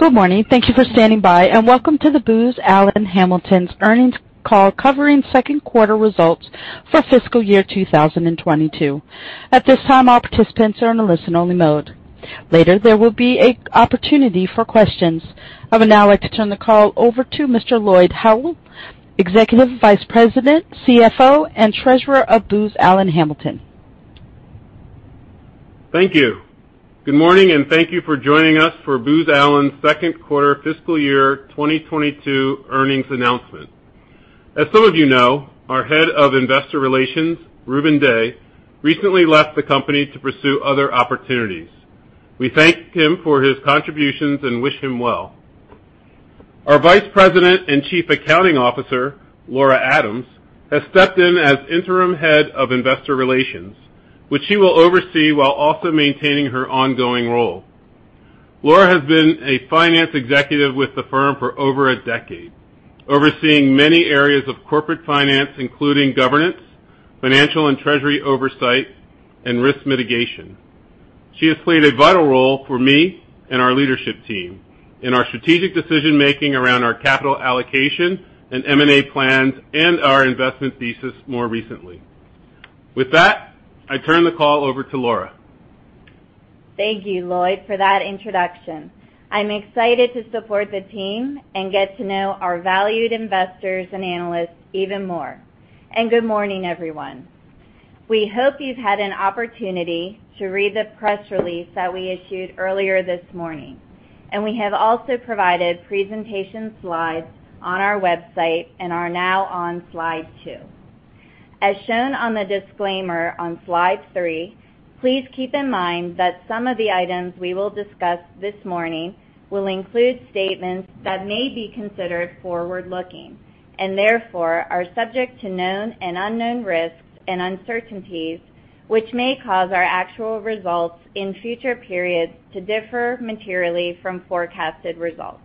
Good morning. Thank you for standing by, and welcome to the Booz Allen Hamilton's earnings call covering second quarter results for fiscal year 2022. At this time, all participants are in a listen only mode. Later, there will be a opportunity for questions. I would now like to turn the call over to Mr. Lloyd Howell, Executive Vice President, CFO, and Treasurer of Booz Allen Hamilton. Thank you. Good morning, and thank you for joining us for Booz Allen's second quarter fiscal year 2022 earnings announcement. As some of you know, our Head of Investor Relations, Rubun Dey, recently left the company to pursue other opportunities. We thank him for his contributions and wish him well. Our Vice President and Chief Accounting Officer, Laura Adams, has stepped in as Interim Head of Investor Relations, which she will oversee while also maintaining her ongoing role. Laura has been a finance executive with the firm for over a decade, overseeing many areas of corporate finance, including governance, financial and treasury oversight, and risk mitigation. She has played a vital role for me and our leadership team in our strategic decision-making around our capital allocation and M&A plans and our investment thesis more recently. With that, I turn the call over to Laura. Thank you, Lloyd, for that introduction. I'm excited to support the team and get to know our valued investors and analysts even more. Good morning, everyone. We hope you've had an opportunity to read the press release that we issued earlier this morning, and we have also provided presentation slides on our website and are now on slide two. As shown on the disclaimer on slide three, please keep in mind that some of the items we will discuss this morning will include statements that may be considered forward-looking, and therefore, are subject to known and unknown risks and uncertainties, which may cause our actual results in future periods to differ materially from forecasted results.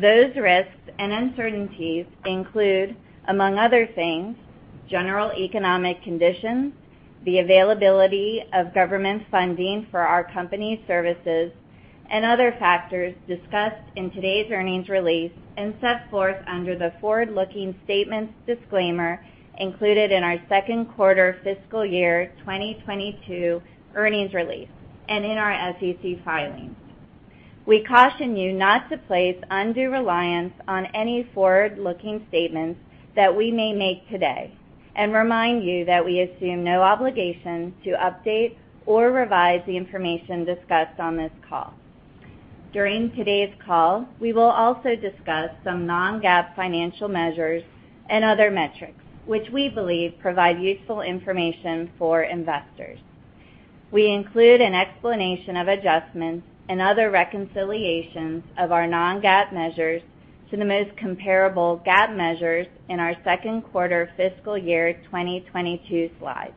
Those risks and uncertainties include, among other things, general economic conditions, the availability of government funding for our company's services, and other factors discussed in today's earnings release and set forth under the forward-looking statements disclaimer included in our second quarter fiscal year 2022 earnings release and in our SEC filings. We caution you not to place undue reliance on any forward-looking statements that we may make today and remind you that we assume no obligation to update or revise the information discussed on this call. During today's call, we will also discuss some non-GAAP financial measures and other metrics, which we believe provide useful information for investors. We include an explanation of adjustments and other reconciliations of our non-GAAP measures to the most comparable GAAP measures in our second quarter fiscal year 2022 slides.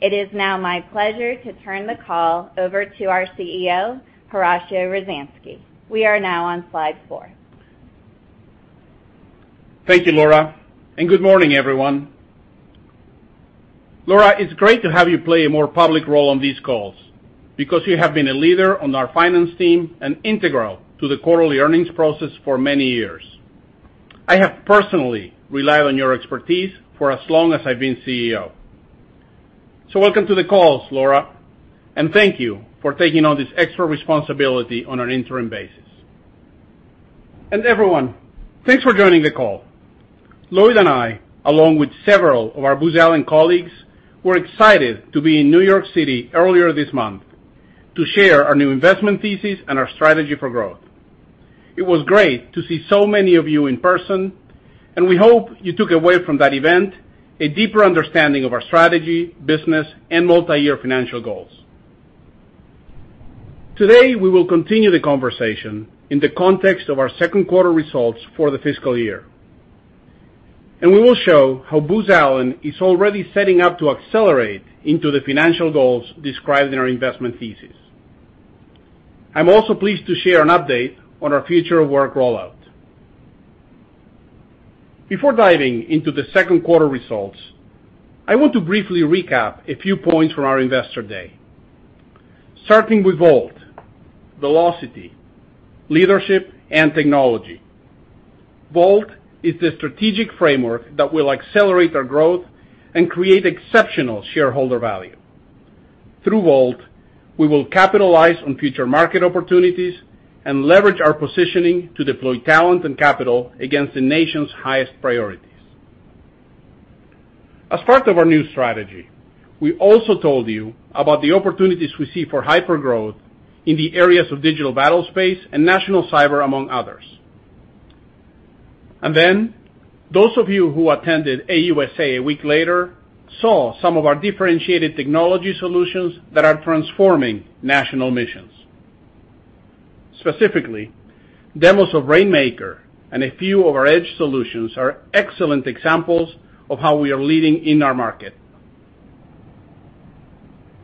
It is now my pleasure to turn the call over to our CEO, Horacio Rozanski. We are now on slide four. Thank you, Laura, and good morning, everyone. Laura, it's great to have you play a more public role on these calls because you have been a leader on our finance team and integral to the quarterly earnings process for many years. I have personally relied on your expertise for as long as I've been CEO. Welcome to the calls, Laura, and thank you for taking on this extra responsibility on an interim basis. Everyone, thanks for joining the call. Lloyd and I, along with several of our Booz Allen colleagues, were excited to be in New York City earlier this month to share our new investment thesis and our strategy for growth. It was great to see so many of you in person, and we hope you took away from that event a deeper understanding of our strategy, business, and multi-year financial goals. Today, we will continue the conversation in the context of our second quarter results for the fiscal year. We will show how Booz Allen is already setting up to accelerate into the financial goals described in our investment thesis. I'm also pleased to share an update on our Future of Work rollout. Before diving into the second quarter results, I want to briefly recap a few points from our Investor Day. Starting with VoLT, velocity, leadership, and technology. VoLT is the strategic framework that will accelerate our growth and create exceptional shareholder value. Through VoLT, we will capitalize on future market opportunities and leverage our positioning to deploy talent and capital against the nation's highest priorities. As part of our new strategy, we also told you about the opportunities we see for hypergrowth in the areas of digital battlespace and national cyber, among others. Then, those of you who attended AUSA a week later saw some of our differentiated technology solutions that are transforming national missions. Specifically, demos of Rainmaker and a few of our edge solutions are excellent examples of how we are leading in our market.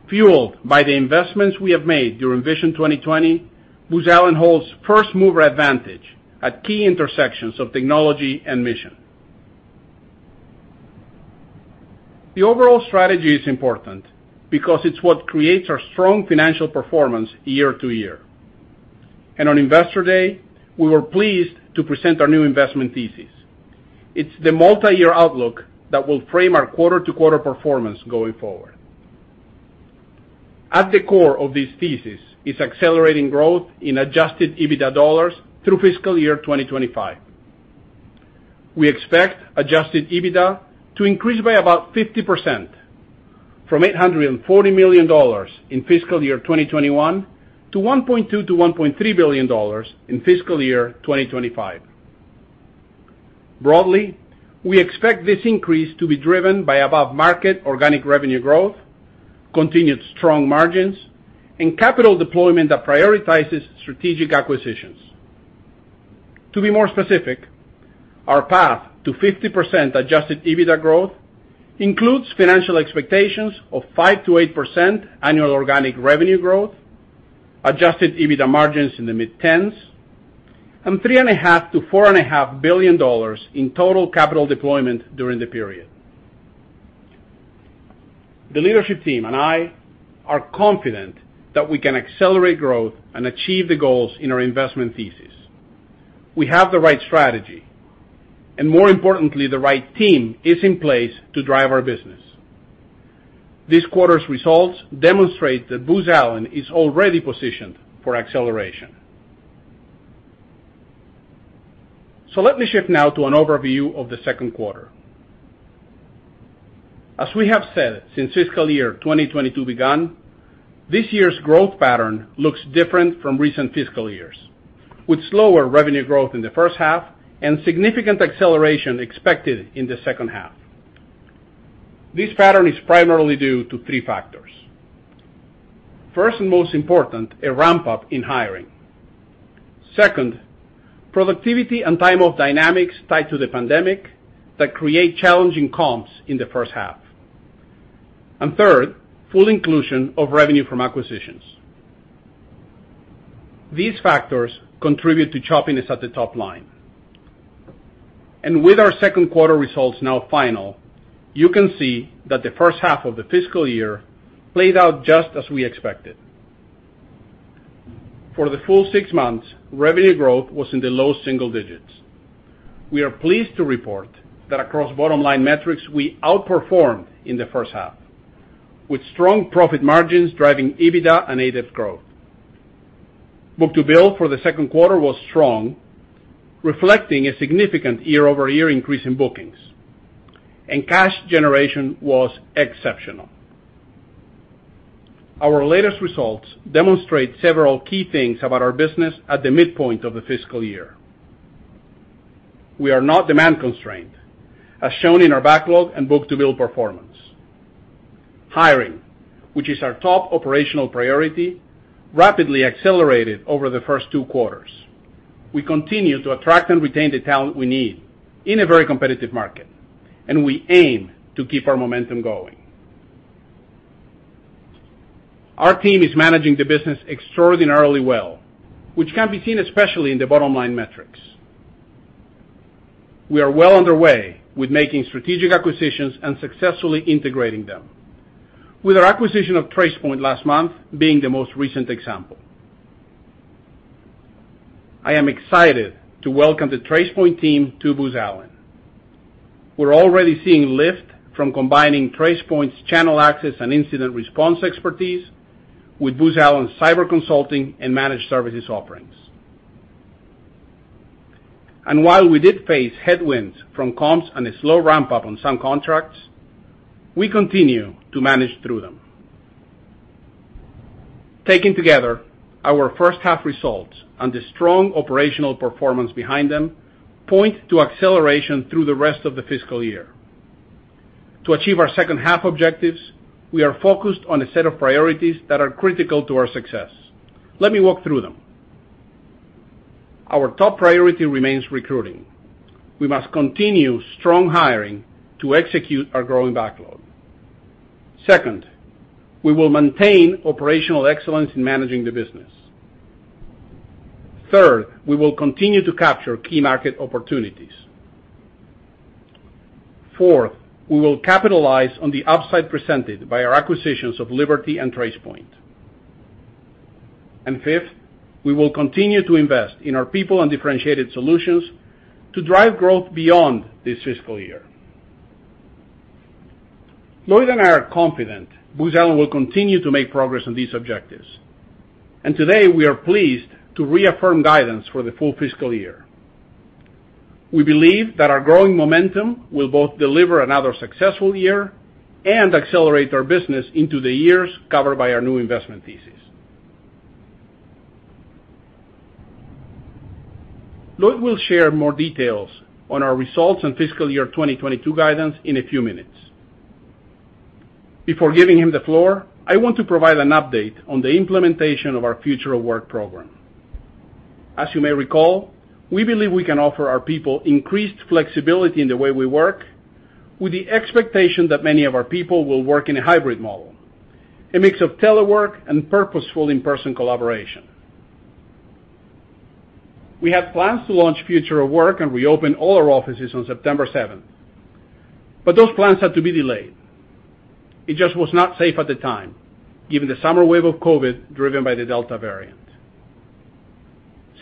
Fueled by the investments we have made during Vision 2020, Booz Allen holds first mover advantage at key intersections of technology and mission. The overall strategy is important because it's what creates our strong financial performance year-to-year. On Investor Day, we were pleased to present our new investment thesis. It's the multi-year outlook that will frame our quarter-to-quarter performance going forward. At the core of this thesis is accelerating growth in adjusted EBITDA dollars through fiscal year 2025. We expect adjusted EBITDA to increase by about 50%, from $840 million in fiscal year 2021 to $1.2 billion-$1.3 billion in fiscal year 2025. Broadly, we expect this increase to be driven by above-market organic revenue growth, continued strong margins, and capital deployment that prioritizes strategic acquisitions. To be more specific, our path to 50% adjusted EBITDA growth includes financial expectations of 5%-8% annual organic revenue growth, adjusted EBITDA margins in the mid-tens, and $3.5 billion-$4.5 billion in total capital deployment during the period. The leadership team and I are confident that we can accelerate growth and achieve the goals in our investment thesis. We have the right strategy, and more importantly, the right team is in place to drive our business. This quarter's results demonstrate that Booz Allen is already positioned for acceleration. Let me shift now to an overview of the second quarter. As we have said since fiscal year 2022 began, this year's growth pattern looks different from recent fiscal years, with slower revenue growth in the first half and significant acceleration expected in the second half. This pattern is primarily due to three factors. First and most important, a ramp-up in hiring. Second, productivity and time-off dynamics tied to the pandemic that create challenging comps in the first half. Third, full inclusion of revenue from acquisitions. These factors contribute to choppiness at the top line. With our second quarter results now final, you can see that the first half of the fiscal year played out just as we expected. For the full six months, revenue growth was in the low single digits. We are pleased to report that across bottom-line metrics, we outperformed in the first half, with strong profit margins driving EBITDA and EPS growth. Book-to-bill for the second quarter was strong, reflecting a significant year-over-year increase in bookings. Cash generation was exceptional. Our latest results demonstrate several key things about our business at the midpoint of the fiscal year. We are not demand-constrained, as shown in our backlog and book-to-bill performance. Hiring, which is our top operational priority, rapidly accelerated over the first two quarters. We continue to attract and retain the talent we need in a very competitive market, and we aim to keep our momentum going. Our team is managing the business extraordinarily well, which can be seen especially in the bottom-line metrics. We are well underway with making strategic acquisitions and successfully integrating them, with our acquisition of Tracepoint last month being the most recent example. I am excited to welcome the Tracepoint team to Booz Allen. We're already seeing lift from combining Tracepoint's channel access and incident response expertise with Booz Allen's cyber consulting and managed services offerings. While we did face headwinds from comps and a slow ramp-up on some contracts, we continue to manage through them. Taken together, our first half results and the strong operational performance behind them point to acceleration through the rest of the fiscal year. To achieve our second-half objectives, we are focused on a set of priorities that are critical to our success. Let me walk through them. Our top priority remains recruiting. We must continue strong hiring to execute our growing backlog. Second, we will maintain operational excellence in managing the business. Third, we will continue to capture key market opportunities. Fourth, we will capitalize on the upside presented by our acquisitions of Liberty and Tracepoint. Fifth, we will continue to invest in our people and differentiated solutions to drive growth beyond this fiscal year. Lloyd and I are confident Booz Allen will continue to make progress on these objectives, and today we are pleased to reaffirm guidance for the full fiscal year. We believe that our growing momentum will both deliver another successful year and accelerate our business into the years covered by our new investment thesis. Lloyd will share more details on our results and fiscal year 2022 guidance in a few minutes. Before giving him the floor, I want to provide an update on the implementation of our Future of Work program. As you may recall, we believe we can offer our people increased flexibility in the way we work, with the expectation that many of our people will work in a hybrid model, a mix of telework and purposeful in-person collaboration. We had plans to launch Future of Work and reopen all our offices on September 7th, but those plans had to be delayed. It just was not safe at the time, given the summer wave of COVID driven by the Delta variant.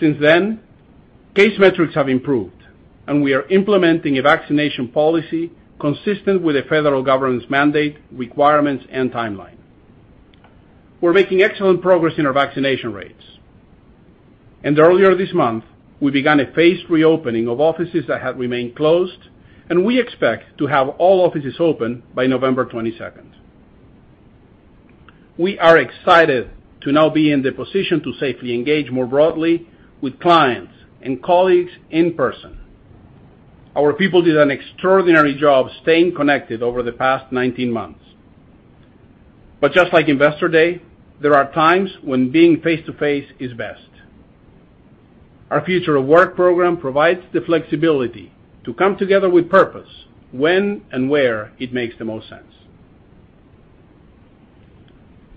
Since then, case metrics have improved, and we are implementing a vaccination policy consistent with the federal government's mandate, requirements, and timeline. We're making excellent progress in our vaccination rates. Earlier this month, we began a phased reopening of offices that had remained closed, and we expect to have all offices open by November 22nd. We are excited to now be in the position to safely engage more broadly with clients and colleagues in person. Our people did an extraordinary job staying connected over the past 19 months. Just like Investor Day, there are times when being face-to-face is best. Our Future of Work program provides the flexibility to come together with purpose when and where it makes the most sense.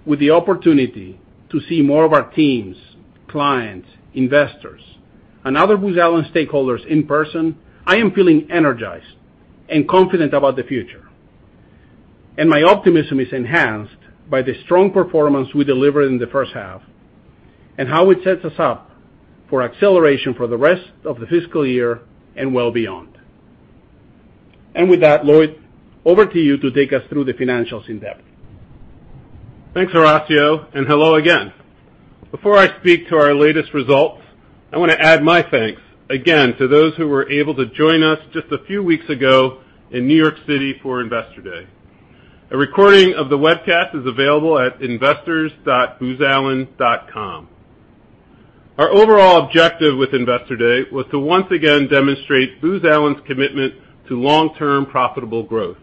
With the opportunity to see more of our teams, clients, investors, and other Booz Allen stakeholders in person, I am feeling energized and confident about the future, and my optimism is enhanced by the strong performance we delivered in the first half and how it sets us up for acceleration for the rest of the fiscal year and well beyond. With that, Lloyd, over to you to take us through the financials in depth. Thanks, Horacio, and hello again. Before I speak to our latest results, I want to add my thanks again to those who were able to join us just a few weeks ago in New York City for Investor Day. A recording of the webcast is available at investors.boozallen.com. Our overall objective with Investor Day was to once again demonstrate Booz Allen's commitment to long-term profitable growth.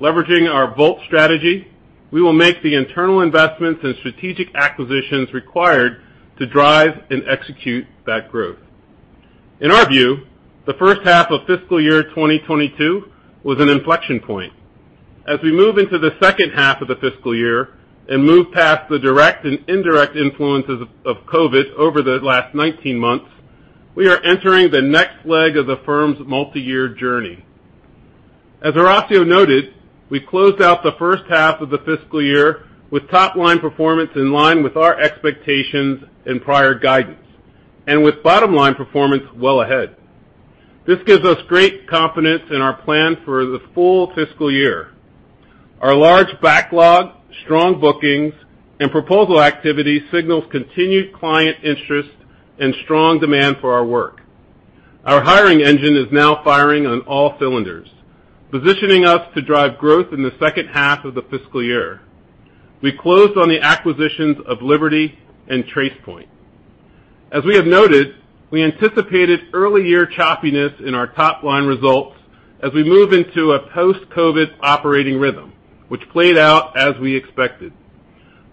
Leveraging our VoLT strategy, we will make the internal investments and strategic acquisitions required to drive and execute that growth. In our view, the first half of fiscal year 2022 was an inflection point. As we move into the second half of the fiscal year and move past the direct and indirect influences of COVID over the last 19 months, we are entering the next leg of the firm's multiyear journey. As Horacio noted, we closed out the first half of the fiscal year with top-line performance in line with our expectations and prior guidance, and with bottom-line performance well ahead. This gives us great confidence in our plan for the full fiscal year. Our large backlog, strong bookings, and proposal activity signals continued client interest and strong demand for our work. Our hiring engine is now firing on all cylinders, positioning us to drive growth in the second half of the fiscal year. We closed on the acquisitions of Liberty and Tracepoint. As we have noted, we anticipated early year choppiness in our top-line results as we move into a post-COVID operating rhythm, which played out as we expected.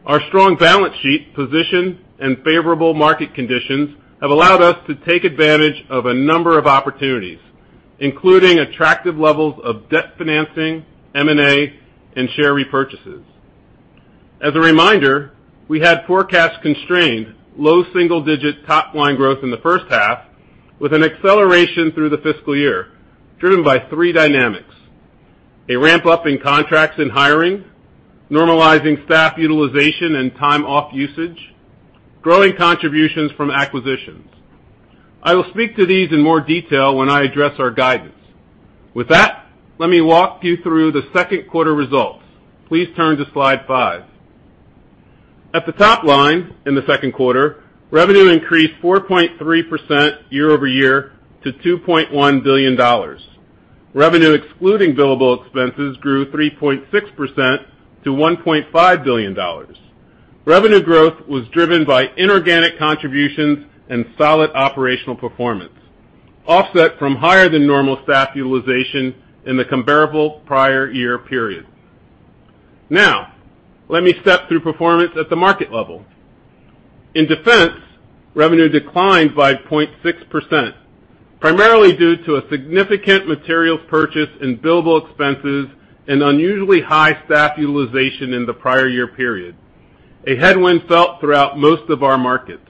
Our strong balance sheet position and favorable market conditions have allowed us to take advantage of a number of opportunities, including attractive levels of debt financing, M&A, and share repurchases. As a reminder, we had forecast-constrained low single-digit top-line growth in the first half with an acceleration through the fiscal year, driven by three dynamics. A ramp-up in contracts and hiring, normalizing staff utilization and time off usage, growing contributions from acquisitions. I will speak to these in more detail when I address our guidance. With that, let me walk you through the second quarter results. Please turn to slide five. At the top line in the second quarter, revenue increased 4.3% year-over-year to $2.1 billion. Revenue excluding billable expenses grew 3.6% to $1.5 billion. Revenue growth was driven by inorganic contributions and solid operational performance, offset by higher than normal staff utilization in the comparable prior year period. Now, let me step through performance at the market level. In Defense, revenue declined by 0.6%, primarily due to a significant materials purchase in billable expenses and unusually high staff utilization in the prior year period, a headwind felt throughout most of our markets.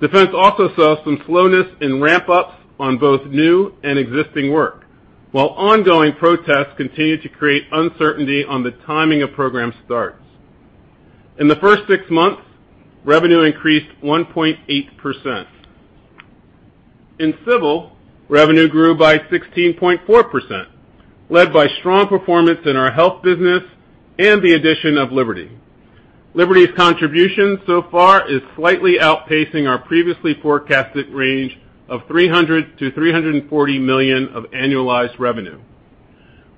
Defense also saw some slowness in ramp-ups on both new and existing work, while ongoing protests continued to create uncertainty on the timing of program starts. In the first six months, revenue increased 1.8%. In Civil, revenue grew by 16.4%, led by strong performance in our health business and the addition of Liberty. Liberty's contribution so far is slightly outpacing our previously forecasted range of $300 million-$340 million of annualized revenue.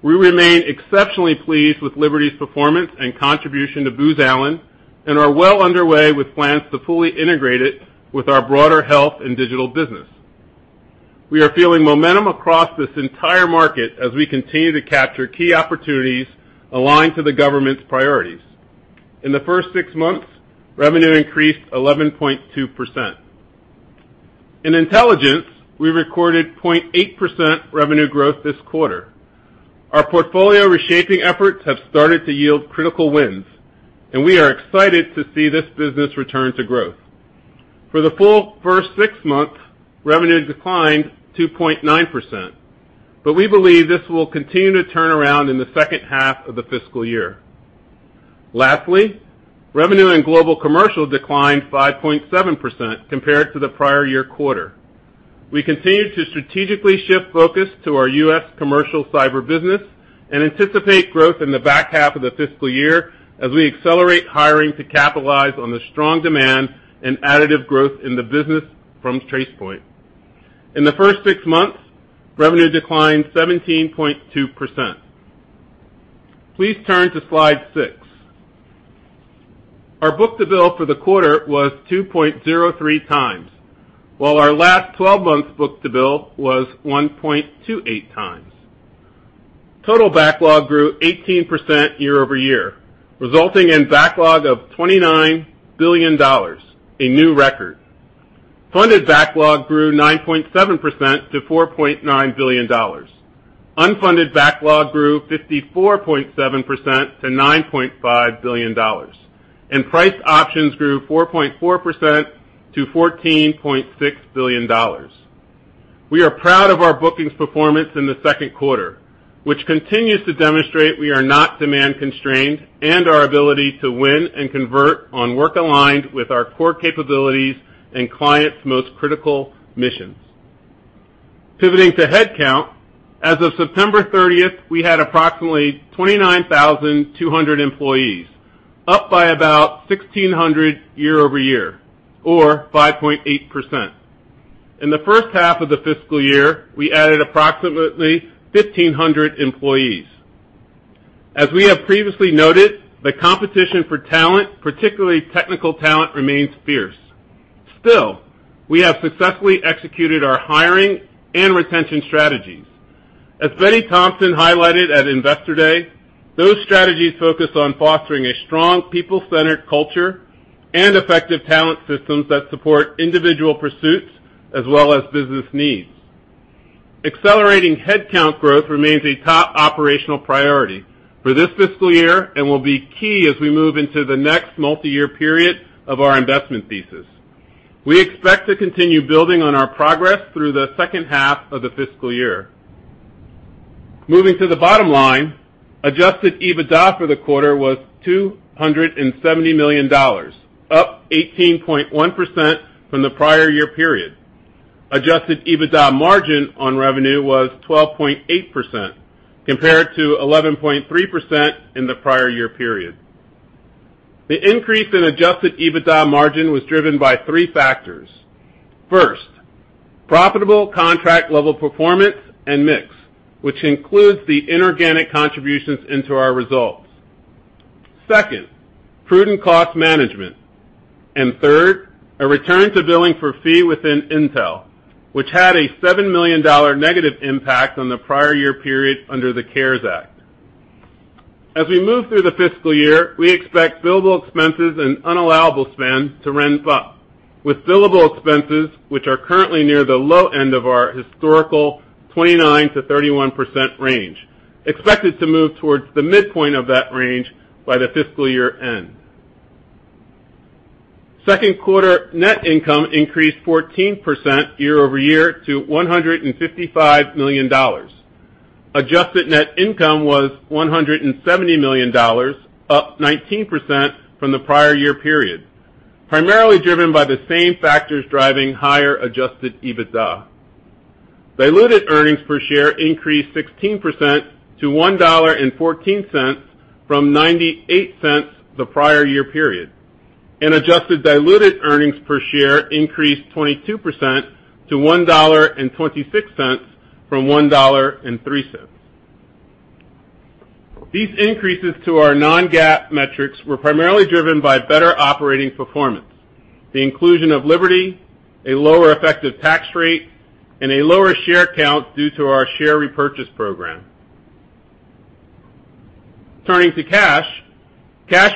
We remain exceptionally pleased with Liberty's performance and contribution to Booz Allen and are well underway with plans to fully integrate it with our broader health and digital business. We are feeling momentum across this entire market as we continue to capture key opportunities aligned to the government's priorities. In the first six months, revenue increased 11.2%. In Intelligence, we recorded 0.8% revenue growth this quarter. Our portfolio reshaping efforts have started to yield critical wins, and we are excited to see this business return to growth. For the full first six months, revenue declined 2.9%, but we believe this will continue to turn around in the second half of the fiscal year. Lastly, revenue in Global Commercial declined 5.7% compared to the prior year quarter. We continue to strategically shift focus to our US Commercial Cyber business and anticipate growth in the back half of the fiscal year as we accelerate hiring to capitalize on the strong demand and additive growth in the business from Tracepoint. In the first six months, revenue declined 17.2%. Please turn to slide six. Our book-to-bill for the quarter was 2.03 times, while our last twelve months book-to-bill was 1.28 times. Total backlog grew 18% year-over-year, resulting in backlog of $29 billion, a new record. Funded backlog grew 9.7% to $4.9 billion. Unfunded backlog grew 54.7% to $9.5 billion. Priced options grew 4.4% to $14.6 billion. We are proud of our bookings performance in the second quarter, which continues to demonstrate we are not demand constrained and our ability to win and convert on work aligned with our core capabilities and clients' most critical missions. Pivoting to headcount, as of September 30th, we had approximately 29,200 employees, up by about 1,600 year-over-year or 5.8%. In the first half of the fiscal year, we added approximately 1,500 employees. As we have previously noted, the competition for talent, particularly technical talent, remains fierce. Still, we have successfully executed our hiring and retention strategies. As Betty Thompson highlighted at Investor Day, those strategies focus on fostering a strong people-centered culture and effective talent systems that support individual pursuits as well as business needs. Accelerating headcount growth remains a top operational priority for this fiscal year and will be key as we move into the next multiyear period of our investment thesis. We expect to continue building on our progress through the second half of the fiscal year. Moving to the bottom line, adjusted EBITDA for the quarter was $270 million, up 18.1% from the prior year period. Adjusted EBITDA margin on revenue was 12.8% compared to 11.3% in the prior year period. The increase in adjusted EBITDA margin was driven by three factors. First, profitable contract level performance and mix, which includes the inorganic contributions into our results. Second, prudent cost management and third, a return to billing for fee within Intel, which had a $7 million negative impact on the prior year period under the CARES Act. As we move through the fiscal year, we expect billable expenses and unallowable spend to ramp up, with billable expenses, which are currently near the low end of our historical 29%-31% range, expected to move towards the midpoint of that range by the fiscal year end. Second quarter net income increased 14% year-over-year to $155 million. Adjusted net income was $170 million, up 19% from the prior year period, primarily driven by the same factors driving higher adjusted EBITDA. Diluted earnings per share increased 16% to $1.14 from $0.98 the prior year period. Adjusted diluted earnings per share increased 22% to $1.26 from $1.03. These increases to our non-GAAP metrics were primarily driven by better operating performance, the inclusion of Liberty, a lower effective tax rate, and a lower share count due to our share repurchase program. Turning to cash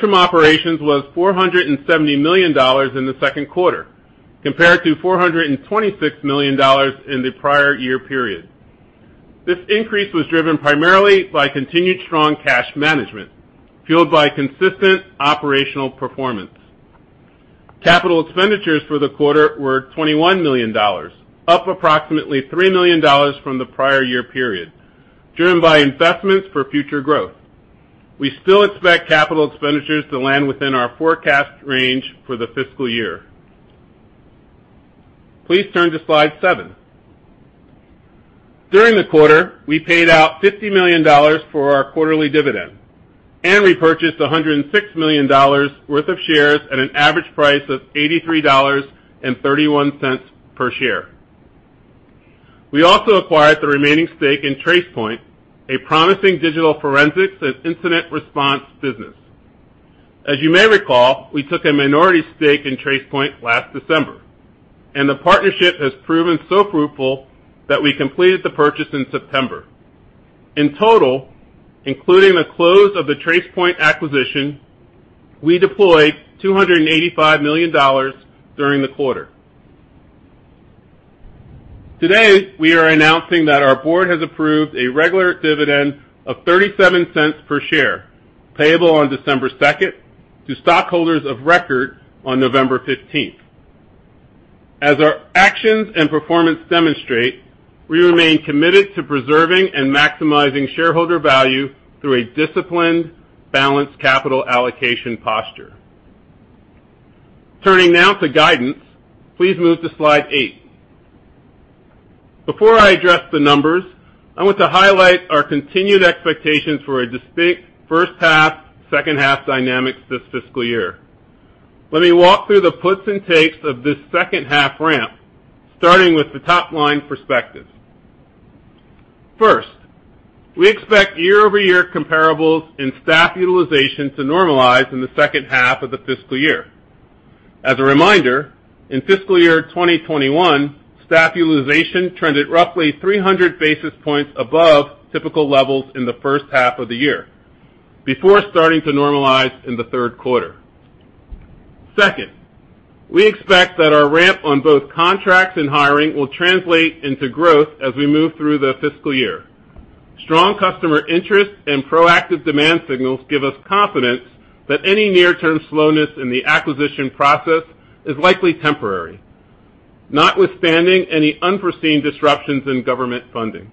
from operations was $470 million in the second quarter compared to $426 million in the prior year period. This increase was driven primarily by continued strong cash management, fueled by consistent operational performance. Capital expenditures for the quarter were $21 million, up approximately $3 million from the prior year period, driven by investments for future growth. We still expect capital expenditures to land within our forecast range for the fiscal year. Please turn to slide seven. During the quarter, we paid out $50 million for our quarterly dividend and repurchased $106 million worth of shares at an average price of $83.31 per share. We also acquired the remaining stake in Tracepoint, a promising digital forensics and incident response business. As you may recall, we took a minority stake in Tracepoint last December, and the partnership has proven so fruitful that we completed the purchase in September. In total, including the close of the Tracepoint acquisition, we deployed $285 million during the quarter. Today, we are announcing that our board has approved a regular dividend of $0.37 per share, payable on December 2nd, to stockholders of record on November 15th. As our actions and performance demonstrate, we remain committed to preserving and maximizing shareholder value through a disciplined, balanced capital allocation posture. Turning now to guidance. Please move to slide eight. Before I address the numbers, I want to highlight our continued expectations for a distinct first half, second half dynamics this fiscal year. Let me walk through the puts and takes of this second half ramp, starting with the top line perspective. First, we expect year-over-year comparables in staff utilization to normalize in the second half of the fiscal year. As a reminder, in fiscal year 2021, staff utilization trended roughly 300 basis points above typical levels in the first half of the year before starting to normalize in the third quarter. Second, we expect that our ramp on both contracts and hiring will translate into growth as we move through the fiscal year. Strong customer interest and proactive demand signals give us confidence that any near-term slowness in the acquisition process is likely temporary, notwithstanding any unforeseen disruptions in government funding.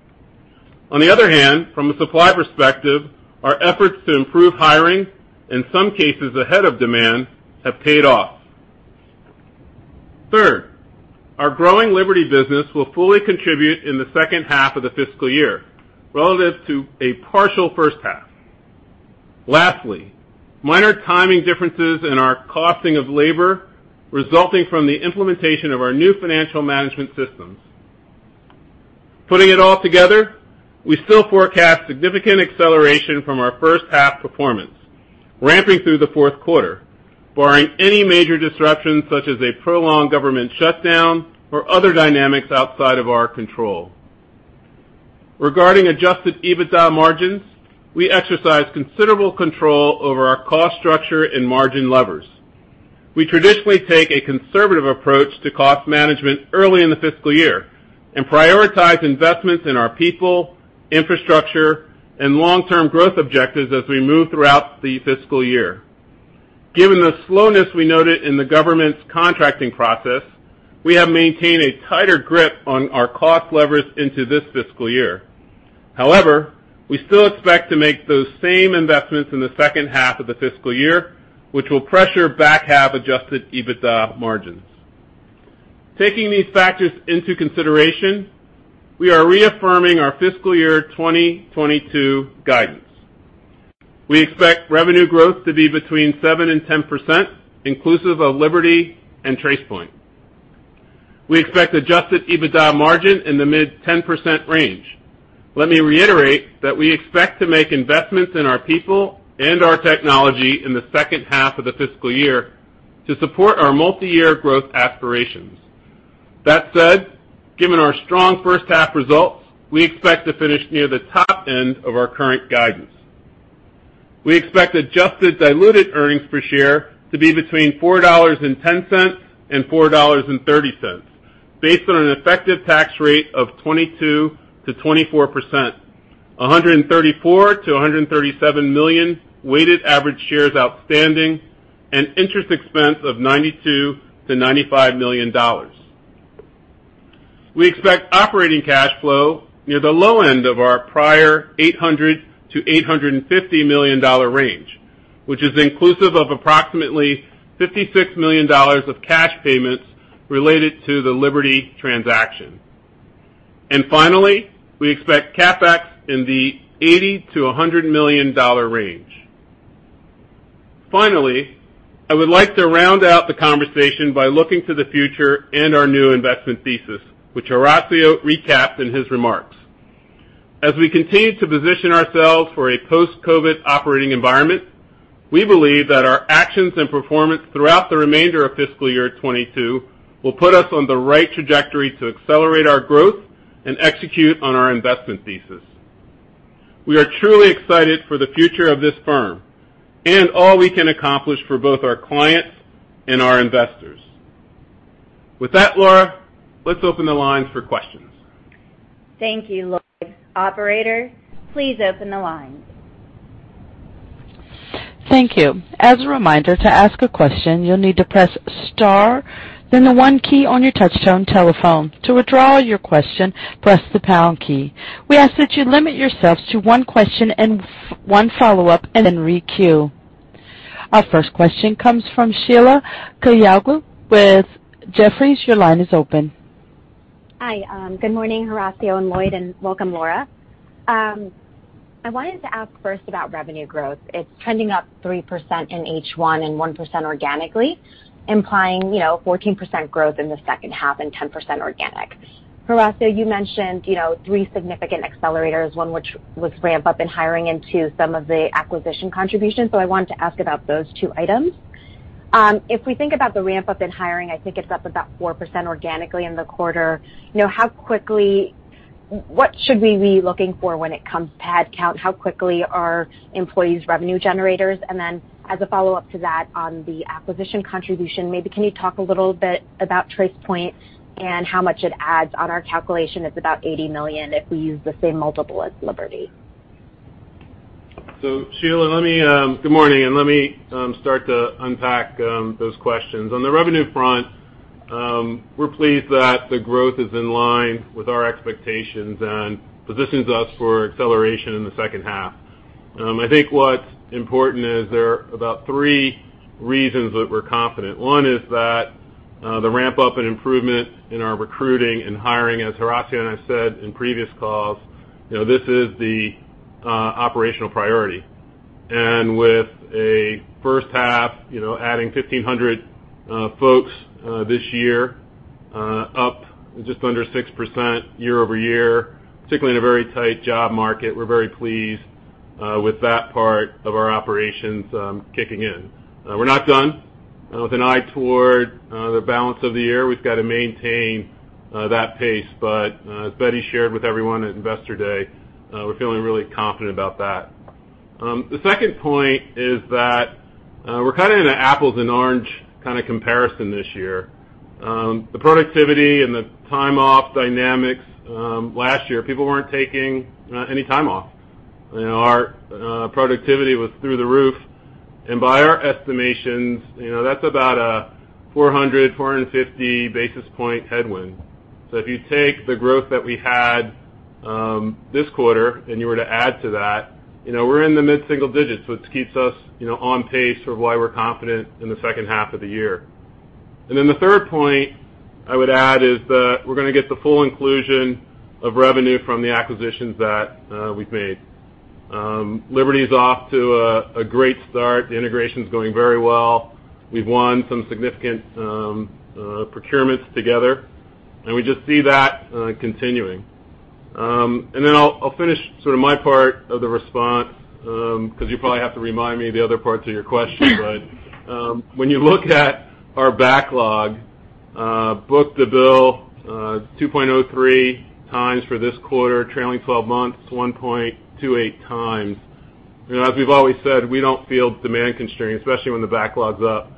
On the other hand, from a supply perspective, our efforts to improve hiring, in some cases ahead of demand, have paid off. Third, our growing Liberty business will fully contribute in the second half of the fiscal year relative to a partial first half. Lastly, minor timing differences in our costing of labor resulting from the implementation of our new financial management systems. Putting it all together, we still forecast significant acceleration from our first half performance, ramping through the fourth quarter, barring any major disruptions such as a prolonged government shutdown or other dynamics outside of our control. Regarding adjusted EBITDA margins, we exercise considerable control over our cost structure and margin levers. We traditionally take a conservative approach to cost management early in the fiscal year and prioritize investments in our people, infrastructure, and long-term growth objectives as we move throughout the fiscal year. Given the slowness we noted in the government's contracting process, we have maintained a tighter grip on our cost levers into this fiscal year. However, we still expect to make those same investments in the second half of the fiscal year, which will pressure back half adjusted EBITDA margins. Taking these factors into consideration, we are reaffirming our fiscal year 2022 guidance. We expect revenue growth to be between 7% and 10%, inclusive of Liberty and Tracepoint. We expect adjusted EBITDA margin in the mid-10% range. Let me reiterate that we expect to make investments in our people and our technology in the second half of the fiscal year to support our multi-year growth aspirations. That said, given our strong first half results, we expect to finish near the top end of our current guidance. We expect adjusted diluted earnings per share to be between $4.10 and $4.30 based on an effective tax rate of 22%-24%, 134 million-137 million weighted average shares outstanding and interest expense of $92 million-$95 million. We expect operating cash flow near the low end of our prior $800 million-$850 million range, which is inclusive of approximately $56 million of cash payments related to the Liberty transaction. Finally, we expect CapEx in the $80 million-$100 million range. Finally, I would like to round out the conversation by looking to the future and our new investment thesis, which Horacio recapped in his remarks. As we continue to position ourselves for a post-COVID operating environment, we believe that our actions and performance throughout the remainder of fiscal year 2022 will put us on the right trajectory to accelerate our growth and execute on our investment thesis. We are truly excited for the future of this firm and all we can accomplish for both our clients and our investors. With that, Laura, let's open the lines for questions. Thank you, Lloyd. Operator, please open the lines. Thank you. As a reminder, to ask a question, you'll need to press star, then the one key on your touchtone telephone. To withdraw your question, press the pound key. We ask that you limit yourselves to one question and one follow-up and then re-queue. Our first question comes from Sheila Kahyaoglu with Jefferies. Your line is open. Hi. Good morning, Horacio and Lloyd, and welcome, Laura. I wanted to ask first about revenue growth. It's trending up 3% in H1 and 1% organically, implying, you know, 14% growth in the second half and 10% organic. Horacio, you mentioned, you know, three significant accelerators, one which was ramp-up in hiring into some of the acquisition contributions, so I wanted to ask about those two items. If we think about the ramp-up in hiring, I think it's up about 4% organically in the quarter. You know, how quickly what should we be looking for when it comes to headcount? How quickly are employees revenue generators? And then as a follow-up to that, on the acquisition contribution, maybe can you talk a little bit about Tracepoint and how much it adds? On our calculation, it's about $80 million if we use the same multiple as Liberty? Sheila, good morning, and let me start to unpack those questions. On the revenue front, we're pleased that the growth is in line with our expectations and positions us for acceleration in the second half. I think what's important is there are about three reasons that we're confident. One is that the ramp up in improvement in our recruiting and hiring, as Horacio and I said in previous calls, you know, this is the operational priority. With a first half, you know, adding 1,500 folks this year, up just under 6% year-over-year, particularly in a very tight job market, we're very pleased with that part of our operations kicking in. We're not done. With an eye toward the balance of the year, we've got to maintain that pace. As Betty shared with everyone at Investor Day, we're feeling really confident about that. The second point is that, we're kind of in an apples and oranges kind of comparison this year. The productivity and the time off dynamics, last year, people weren't taking any time off. You know, our productivity was through the roof and by our estimations, you know, that's about a 400 basis points-450 basis points headwind. If you take the growth that we had, this quarter and you were to add to that, you know, we're in the mid-single digits, which keeps us, you know, on pace for why we're confident in the second half of the year. The third point I would add is that we're gonna get the full inclusion of revenue from the acquisitions that we've made. Liberty is off to a great start. The integration's going very well. We've won some significant procurements together, and we just see that continuing. I finish sort of my part of the response, 'cause you probably have to remind me of the other parts of your question. When you look at our backlog, book-to-bill, 2.03 times for this quarter, trailing 12 months, 1.28 times. You know, as we've always said, we don't feel demand constrained, especially when the backlog's up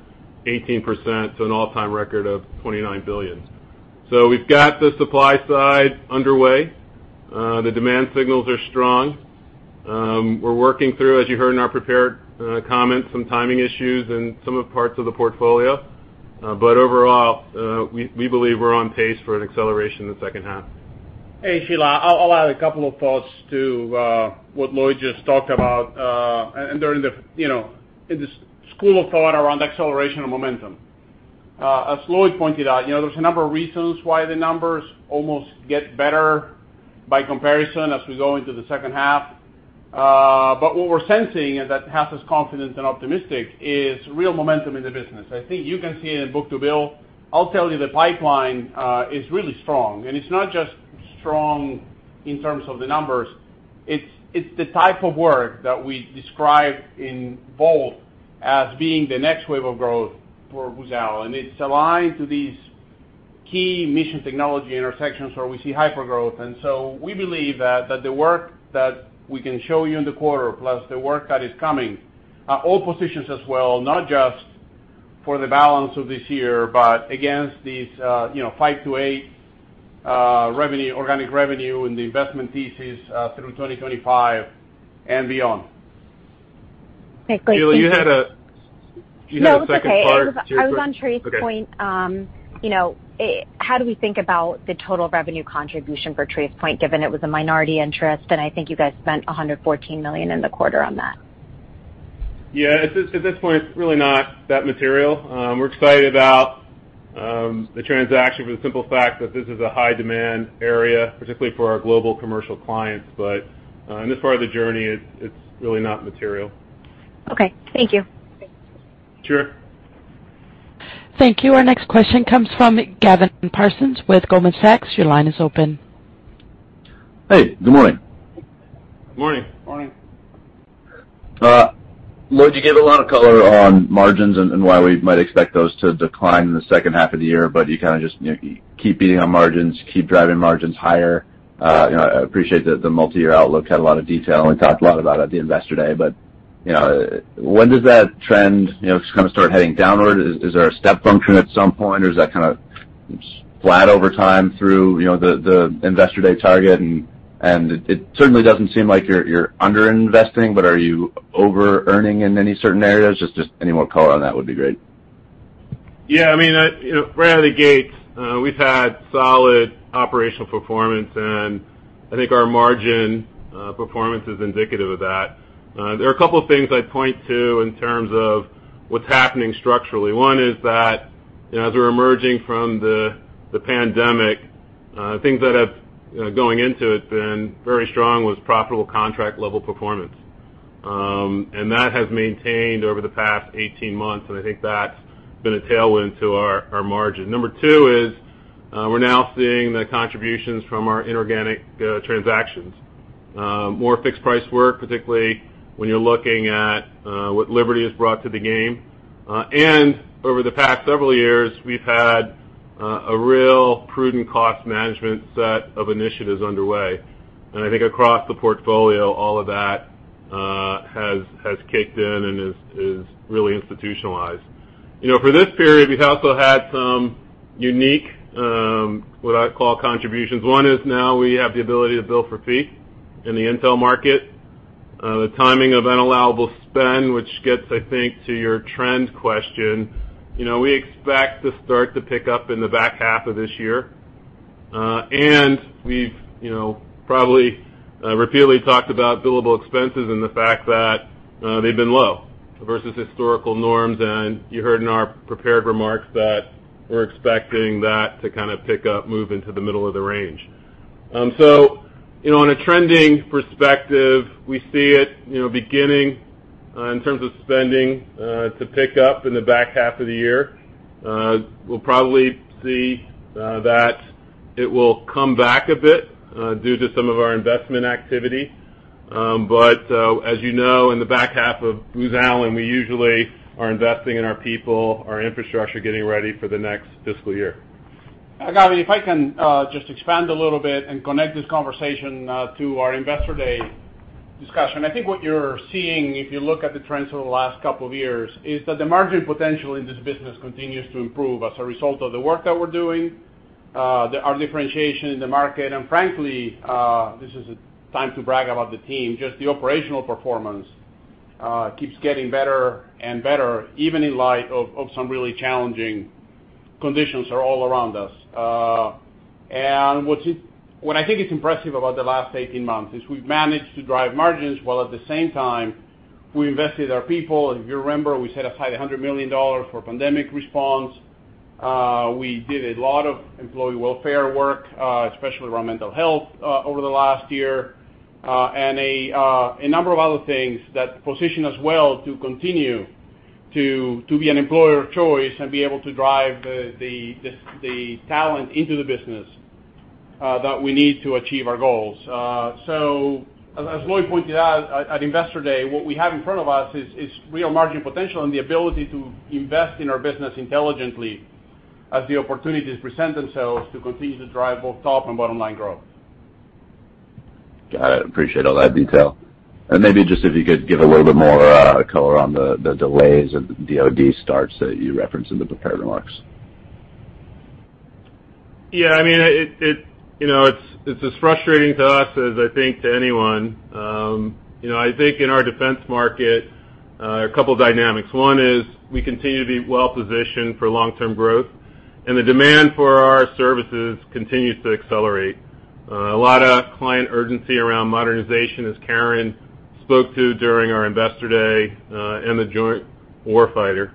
18% to an all-time record of $29 billion. We've got the supply side underway. The demand signals are strong. We're working through, as you heard in our prepared comments, some timing issues in some of the parts of the portfolio. Overall, we believe we're on pace for an acceleration in the second half. Hey, Sheila, I'll add a couple of thoughts to what Lloyd just talked about, and during the, you know, in the school of thought around acceleration of momentum. As Lloyd pointed out, you know, there's a number of reasons why the numbers almost get better by comparison as we go into the second half. But what we're sensing and that has us confident and optimistic is real momentum in the business. I think you can see it in book-to-bill. I'll tell you the pipeline is really strong, and it's not just strong in terms of the numbers. It's the type of work that we describe in VoLT as being the next wave of growth for Booz Allen. It's aligned to these key mission technology intersections where we see hypergrowth. We believe that the work that we can show you in the quarter, plus the work that is coming, all positions us well, not just for the balance of this year, but against these, you know, 5%-8% revenue, organic revenue and the investment thesis, through 2025 and beyond. Okay, great. Thank you. Sheila, you had a second part to your que- No, it's okay. I was on Tracepoint. Okay. You know, how do we think about the total revenue contribution for Tracepoint, given it was a minority interest, and I think you guys spent $114 million in the quarter on that? Yeah. At this point, it's really not that material. We're excited about the transaction for the simple fact that this is a high-demand area, particularly for our global commercial clients. In this part of the journey, it's really not material. Okay. Thank you. Sure. Thank you. Our next question comes from Gavin Parsons with Goldman Sachs. Your line is open. Hey, good morning. Morning. Morning. Lloyd, you gave a lot of color on margins and why we might expect those to decline in the second half of the year, but you kinda just, you know, keep beating on margins, keep driving margins higher. You know, I appreciate the multi-year outlook. You had a lot of detail and talked a lot about it at the Investor Day. You know, when does that trend, you know, just kinda start heading downward? Is there a step function at some point, or is that kinda flat over time through, you know, the Investor Day target? It certainly doesn't seem like you're underinvesting, but are you overearning in any certain areas? Just any more color on that would be great. Yeah. I mean, you know, right out of the gate, we've had solid operational performance, and I think our margin performance is indicative of that. There are a couple of things I'd point to in terms of what's happening structurally. One is that, you know, as we're emerging from the pandemic, things that have been very strong going into it was profitable contract level performance. That has maintained over the past 18 months, and I think that's been a tailwind to our margin. Number two is, we're now seeing the contributions from our inorganic transactions. More fixed price work, particularly when you're looking at what Liberty has brought to the game and over the past several years, we've had a real prudent cost management set of initiatives underway. I think across the portfolio, all of that has kicked in and is really institutionalized. You know, for this period, we've also had some unique what I call contributions. One is now we have the ability to bill for fee in the intel market, the timing of unallowable spend, which gets, I think, to your trend question. You know, we expect to start to pick up in the back half of this year. We've, you know, probably repeatedly talked about billable expenses and the fact that they've been low vs. historical norms. You heard in our prepared remarks that we're expecting that to kind of pick up, move into the middle of the range. You know, on a trending perspective, we see it, you know, beginning in terms of spending to pick up in the back half of the year. We'll probably see that it will come back a bit due to some of our investment activity but as you know, in the back half of Booz Allen, we usually are investing in our people, our infrastructure, getting ready for the next fiscal year. Gavin, if I can just expand a little bit and connect this conversation to our Investor Day discussion. I think what you're seeing, if you look at the trends over the last couple of years, is that the margin potential in this business continues to improve as a result of the work that we're doing, our differentiation in the market. Frankly, this is a time to brag about the team. Just the operational performance keeps getting better and better, even in light of some really challenging conditions are all around us. What I think is impressive about the last 18 months is we've managed to drive margins, while at the same time, we invested in our people. If you remember, we set aside $100 million for pandemic response. We did a lot of employee welfare work, especially around mental health, over the last year, and a number of other things that position us well to continue to be an employer of choice and be able to drive the talent into the business that we need to achieve our goals. As Lloyd pointed out at Investor Day, what we have in front of us is real margin potential and the ability to invest in our business intelligently as the opportunities present themselves to continue to drive both top and bottom line growth. Got it. Appreciate all that detail. Maybe just if you could give a little bit more color on the delays of the DoD starts that you referenced in the prepared remarks? Yeah, I mean, it you know, it's as frustrating to us as I think to anyone. You know, I think in our defense market, a couple dynamics. One is we continue to be well positioned for long-term growth, and the demand for our services continues to accelerate. A lot of client urgency around modernization, as Karen spoke to during our Investor Day, and the joint war fighter.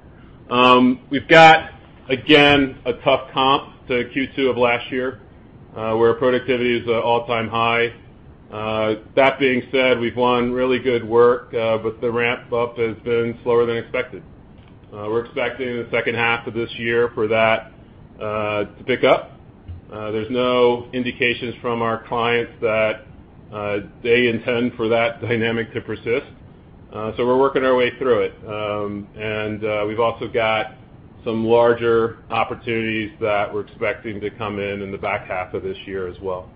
We've got, again, a tough comp to Q2 of last year, where productivity is at all-time high. That being said, we've won really good work, but the ramp up has been slower than expected. We're expecting in the second half of this year for that to pick up. There's no indications from our clients that they intend for that dynamic to persist. We're working our way through it. We've also got some larger opportunities that we're expecting to come in in the back half of this year as well.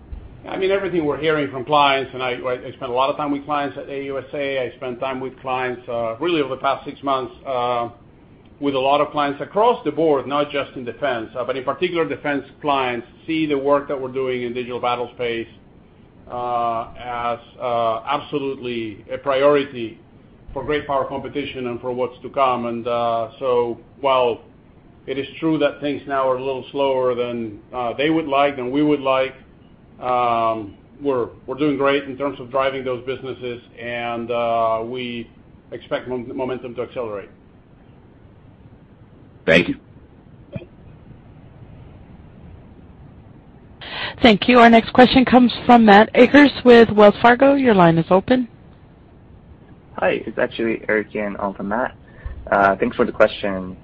I mean, everything we're hearing from clients, and I spent a lot of time with clients at AUSA. I spent time with clients really over the past six months with a lot of clients across the board, not just in defense, but in particular, defense clients see the work that we're doing in digital battlespace as absolutely a priority for great power competition and for what's to come. While it is true that things now are a little slower than they would like and we would like, we're doing great in terms of driving those businesses and we expect momentum to accelerate. Thank you. Thank you. Thank you. Our next question comes from Matt Akers with Wells Fargo. Your line is open. Hi, it's actually Eric Yan on for Matt. Thanks for the question.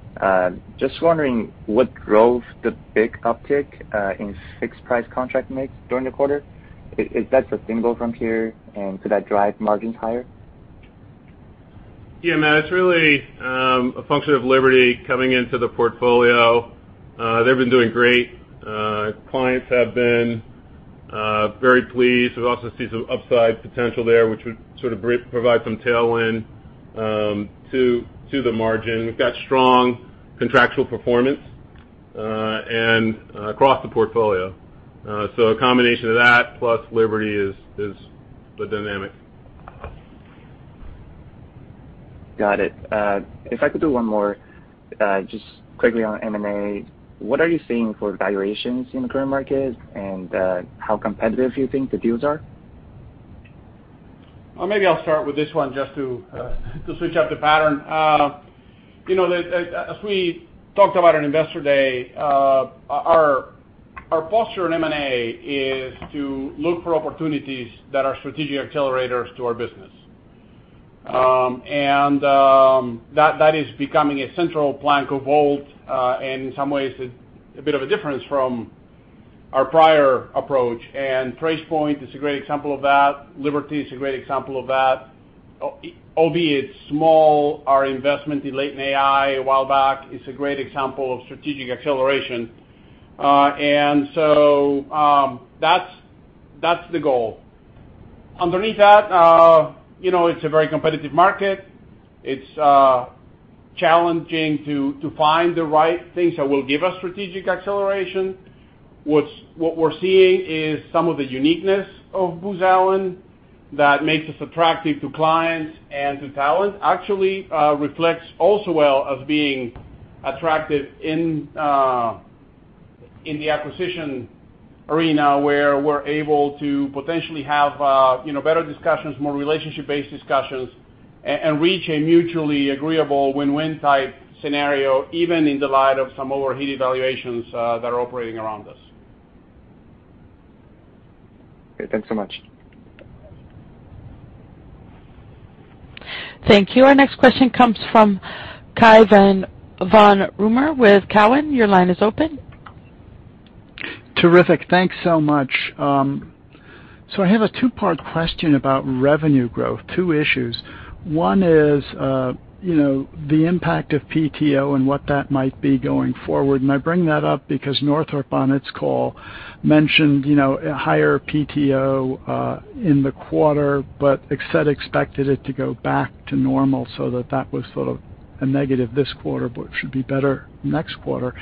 Just wondering what drove the big uptick in fixed price contract mix during the quarter. Is that sustainable from here, and could that drive margins higher? Yeah, Matt, it's really a function of Liberty coming into the portfolio. They've been doing great. Clients have been very pleased. We also see some upside potential there, which would sort of provide some tailwind to the margin. We've got strong contractual performance across the portfolio. A combination of that plus Liberty is the dynamic. Got it. If I could do one more, just quickly on M&A. What are you seeing for valuations in the current market and how competitive do you think the deals are? Well, maybe I'll start with this one just to switch up the pattern. You know, as we talked about on Investor Day, our posture on M&A is to look for opportunities that are strategic accelerators to our business. That is becoming a central plank of VoLT, and in some ways a bit of a difference from our prior approach. Tracepoint is a great example of that. Liberty is a great example of that. Albeit small, our investment in Latent AI a while back is a great example of strategic acceleration. That's the goal. Underneath that, you know, it's a very competitive market. It's challenging to find the right things that will give us strategic acceleration. What we're seeing is some of the uniqueness of Booz Allen that makes us attractive to clients and to talent actually reflects also well of being attractive in the acquisition arena, where we're able to potentially have you know better discussions, more relationship-based discussions and reach a mutually agreeable win-win type scenario, even in the light of some overheated valuations that are operating around us. Okay, thanks so much. Thank you. Our next question comes from Cai von Rumohr with Cowen. Your line is open. Terrific. Thanks so much. I have a two-part question about revenue growth, two issues. One is the impact of PTO and what that might be going forward. I bring that up because Northrop on its call mentioned higher PTO in the quarter, but expected it to go back to normal so that was sort of a negative this quarter, but should be better next quarter.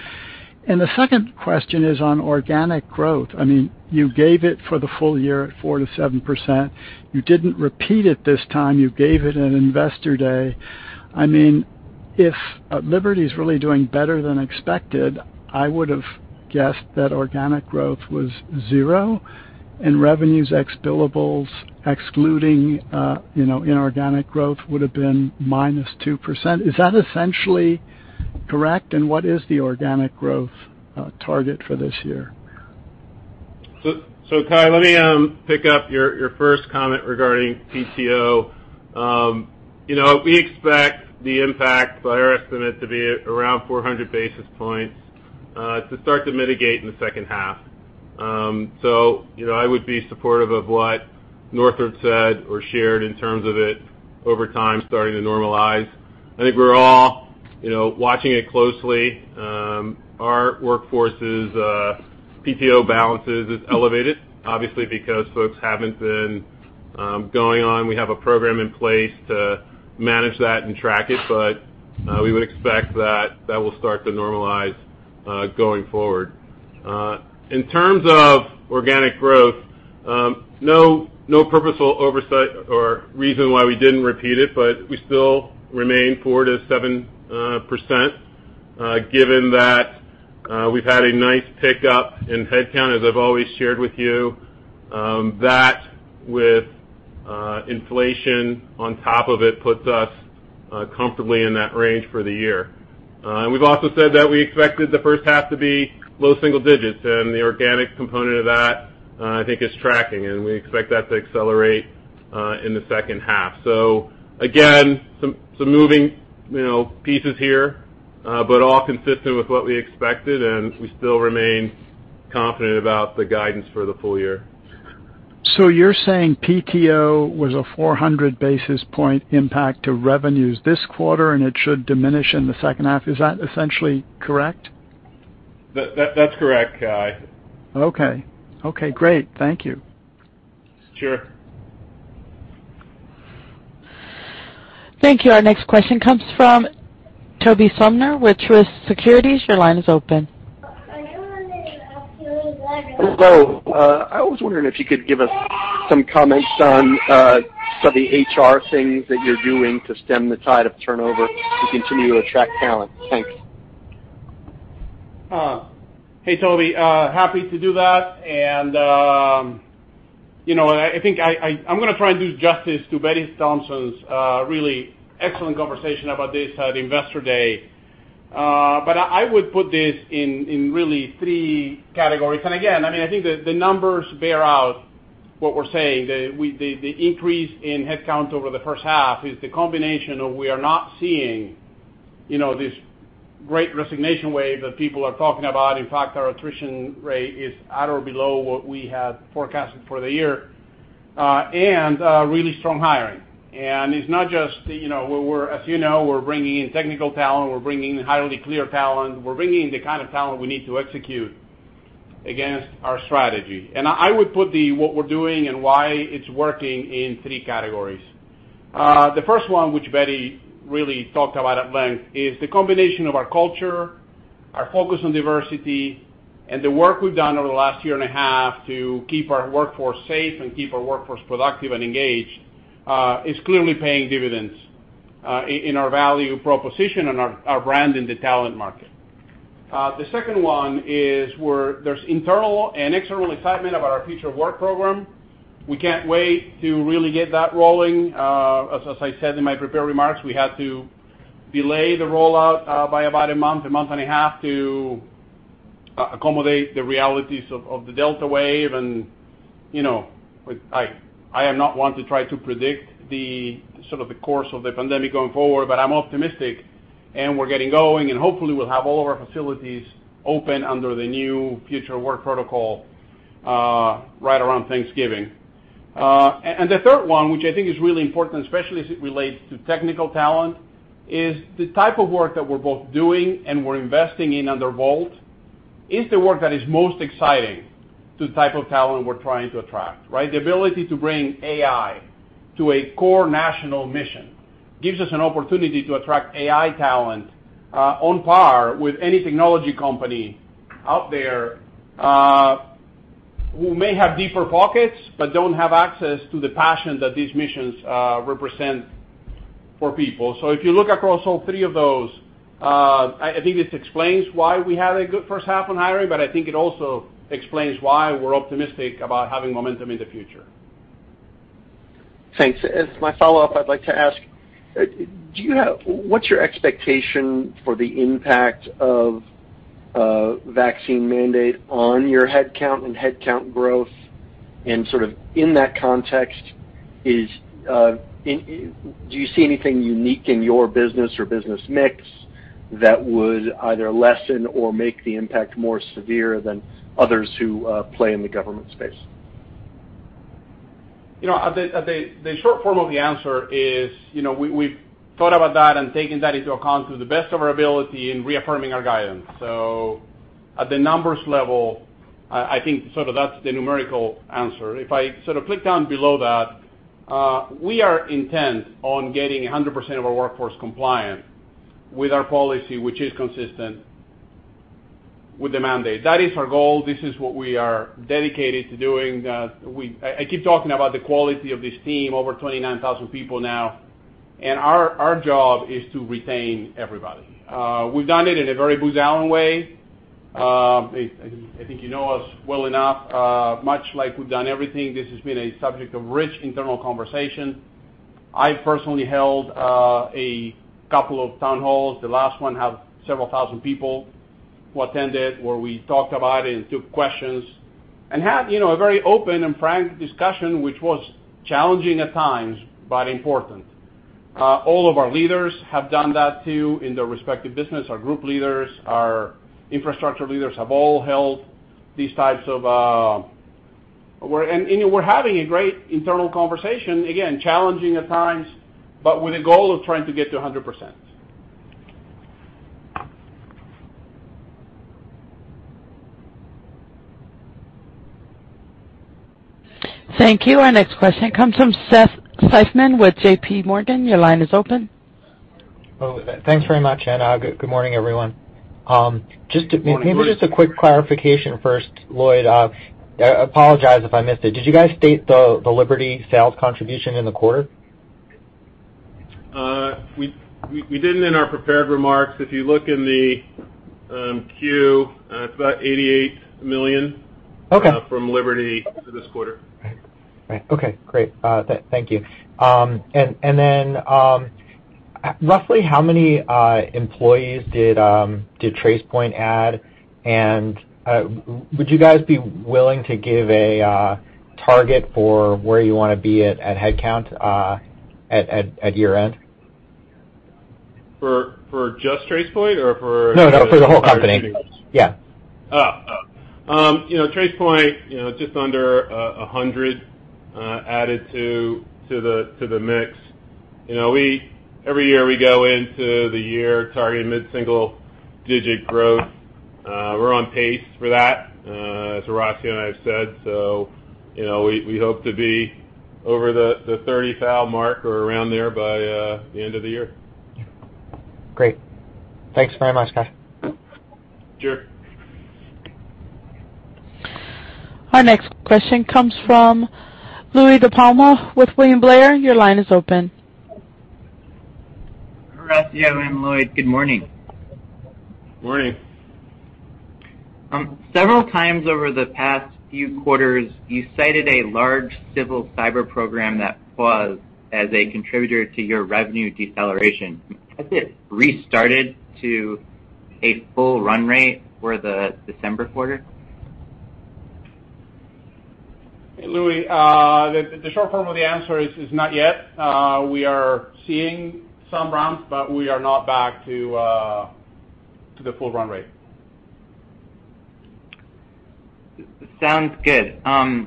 The second question is on organic growth. I mean, you gave it for the full year at 4%-7%. You didn't repeat it this time. You gave it at Investor Day. I mean, if Liberty is really doing better than expected, I would have guessed that organic growth was zero and revenues ex billables excluding inorganic growth would have been -2%. Is that essentially correct? What is the organic growth target for this year? So, Cai, let me pick up your first comment regarding PTO. You know, we expect the impact by our estimate to be around 400 basis points to start to mitigate in the second half. You know, I would be supportive of what Northrop Grumman said or shared in terms of it over time starting to normalize. I think we're all, you know, watching it closely. Our workforce's PTO balances is elevated, obviously, because folks haven't been going on. We have a program in place to manage that and track it, but we would expect that, that will start to normalize going forward. In terms of organic growth, no purposeful oversight or reason why we didn't repeat it, but we still remain 4%-7%, given that we've had a nice pickup in headcount, as I've always shared with you. That with inflation on top of it puts us comfortably in that range for the year. We've also said that we expected the first half to below single-digit, and the organic component of that I think is tracking, and we expect that to accelerate in the second half. Again, some moving, you know, pieces here, but all consistent with what we expected, and we still remain confident about the guidance for the full year. You're saying PTO was a 400 basis point impact to revenues this quarter, and it should diminish in the second half. Is that essentially correct? That's correct, Cai. Okay. Okay, great. Thank you. Sure. Thank you. Our next question comes from Tobey Sommer with Truist Securities. Your line is open. Hello. I was wondering if you could give us some comments on some of the HR things that you're doing to stem the tide of turnover to continue to attract talent. Thanks. Hey, Toby. Happy to do that. You know, I think I'm gonna try and do justice to Betty Thompson's really excellent conversation about this at Investor Day. But I would put this in really three categories. Again, I mean, I think the numbers bear out what we're saying. The increase in headcount over the first half is the combination of we are not seeing this great resignation wave that people are talking about. In fact, our attrition rate is at or below what we had forecasted for the year and really strong hiring. It's not just, you know, as you know, we're bringing in technical talent, we're bringing in highly cleared talent. We're bringing in the kind of talent we need to execute against our strategy. I would put what we're doing and why it's working in three categories. The first one, which Betty really talked about at length, is the combination of our culture, our focus on diversity, and the work we've done over the last year and a half to keep our workforce safe and keep our workforce productive and engaged, is clearly paying dividends in our value proposition and our brand in the talent market. The second one is there's internal and external excitement about our Future of Work program. We can't wait to really get that rolling. As I said in my prepared remarks, we had to delay the rollout by about a month and a half to accommodate the realities of the Delta wave. You know, I am not one to try to predict the sort of the course of the pandemic going forward, but I'm optimistic and we're getting going, and hopefully, we'll have all of our facilities open under the new Future of Work protocol right around Thanksgiving. The third one, which I think is really important, especially as it relates to technical talent, is the type of work that we're both doing and we're investing in under VoLT is the work that is most exciting to the type of talent we're trying to attract, right? The ability to bring AI to a core national mission gives us an opportunity to attract AI talent on par with any technology company out there who may have deeper pockets, but don't have access to the passion that these missions represent for people. If you look across all three of those, I think this explains why we had a good first half on hiring, but I think it also explains why we're optimistic about having momentum in the future. Thanks. As my follow-up, I'd like to ask, what's your expectation for the impact of a vaccine mandate on your headcount and headcount growth? Sort of in that context, do you see anything unique in your business or business mix that would either lessen or make the impact more severe than others who play in the government space? You know, the short form of the answer is, you know, we've thought about that and taken that into account to the best of our ability in reaffirming our guidance. At the numbers level, I think sort of that's the numerical answer. If I sort of click down below that, we are intent on getting 100% of our workforce compliant with our policy, which is consistent with the mandate. That is our goal. This is what we are dedicated to doing. I keep talking about the quality of this team, over 29,000 people now, and our job is to retain everybody. We've done it in a very Booz Allen way. I think you know us well enough, much like we've done everything, this has been a subject of rich internal conversation. I personally held a couple of town halls. The last one had several thousand people who attended, where we talked about it and took questions and had, you know, a very open and frank discussion, which was challenging at times, but important. All of our leaders have done that too in their respective business. Our group leaders, our infrastructure leaders have all held these types of, and we're having a great internal conversation, again, challenging at times, but with a goal of trying to get to 100%. Thank you. Our next question comes from Seth Seifman with JPMorgan. Your line is open. Oh, thanks very much, and good morning, everyone. Just to- Good morning. Maybe just a quick clarification first, Lloyd. I apologize if I missed it. Did you guys state the Liberty sales contribution in the quarter? We didn't in our prepared remarks. If you look in the Q, it's about $88 million- Okay. From Liberty for this quarter. Right. Okay, great. Thank you. Then, roughly how many employees did Tracepoint add? Would you guys be willing to give a target for where you wanna be at headcount at year-end? For just Tracepoint or for- No, no, for the whole company. Yeah. You know, Tracepoint, you know, just under 100 added to the mix. You know, every year we go into the year targeting mid-single digit growth. We're on pace for that, as Horacio and I have said. You know, we hope to be over the 30,000 mark or around there by the end of the year. Great. Thanks very much, guys. Sure. Our next question comes from Louie DiPalma with William Blair. Your line is open. Horacio and Lloyd, good morning. Morning. Several times over the past few quarters, you cited a large civil cyber program that paused as a contributor to your revenue deceleration. Has it restarted to a full run rate for the December quarter? Louie, the short form of the answer is not yet. We are seeing some ramps, but we are not back to the full run rate. Sounds good. On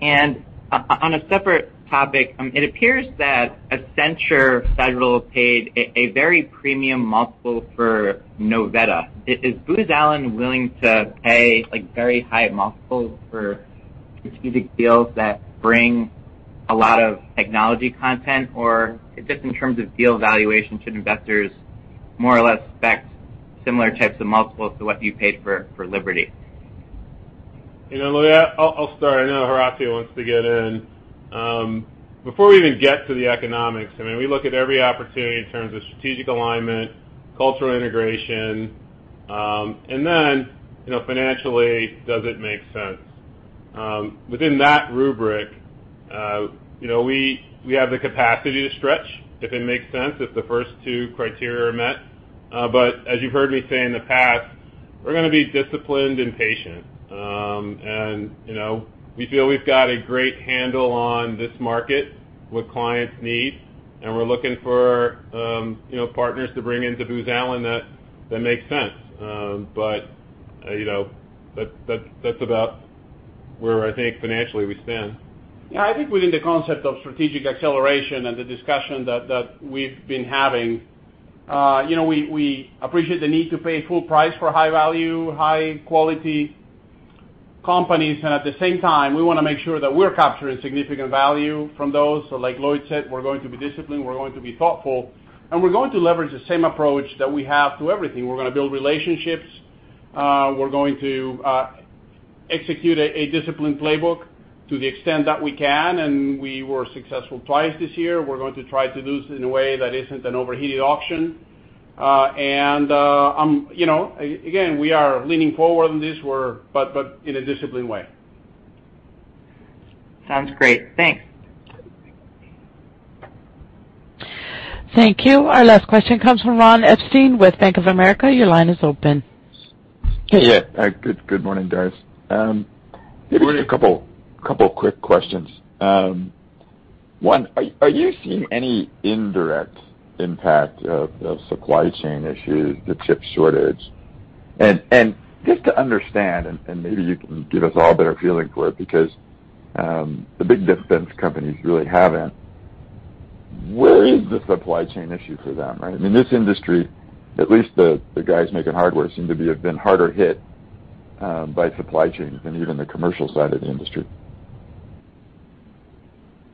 a separate topic, it appears that Accenture Federal paid a very premium multiple for Novetta. Is Booz Allen willing to pay, like, very high multiples for strategic deals that bring a lot of technology content or just in terms of deal valuation, should investors more or less expect similar types of multiples to what you paid for Liberty? You know, Louie, I'll start. I know Horacio wants to get in. Before we even get to the economics, I mean, we look at every opportunity in terms of strategic alignment, cultural integration, and then, you know, financially, does it make sense? Within that rubric, you know, we have the capacity to stretch if it makes sense, if the first two criteria are met. But as you've heard me say in the past, we're gonna be disciplined and patient. You know, we feel we've got a great handle on this market, what clients need, and we're looking for, you know, partners to bring into Booz Allen that make sense. But You know, that's about where I think financially we stand. Yeah, I think within the concept of strategic acceleration and the discussion that we've been having, you know, we appreciate the need to pay full price for high value, high quality companies. At the same time, we wanna make sure that we're capturing significant value from those. Like Lloyd said, we're going to be disciplined, we're going to be thoughtful, and we're going to leverage the same approach that we have to everything. We're gonna build relationships, we're going to execute a disciplined playbook to the extent that we can, and we were successful twice this year. We're going to try to do this in a way that isn't an overheated auction. I'm, you know, again, we are leaning forward in this. In a disciplined way. Sounds great. Thanks. Thank you. Our last question comes from Ron Epstein with Bank of America. Your line is open. Hey. Yeah. Good morning, guys. Good morning. Maybe a couple of quick questions. One, are you seeing any indirect impact of supply chain issues, the chip shortage? Just to understand, maybe you can give us all a better feeling for it because the big defense companies really haven't. Where is the supply chain issue for them, right? I mean, this industry, at least the guys making hardware seem to have been harder hit by supply chain than even the commercial side of the industry.